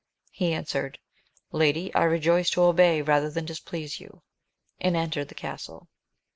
He answered. Lady, I rejoice to obey rather than displease you ; and entered the castle.